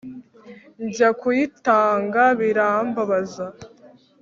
njya kuyitanga birambabaza